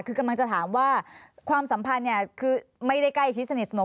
คือกำลังจะถามว่าความสัมพันธ์คือไม่ได้ใกล้ชิดสนิทสนม